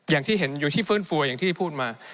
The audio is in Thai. อย่างที่เห็นอยู่ที่ฟื้นฟูอย่างที่พูดมา